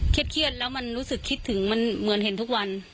เครียดแล้วมันรู้สึกคิดถึงมันเหมือนเห็นทุกวัน